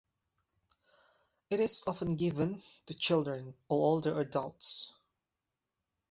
It is often given to children or older adults.